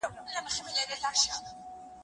له دمبورې سره چمبه ویښه کړه